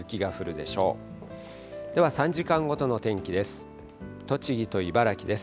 では３時間ごとの天気です。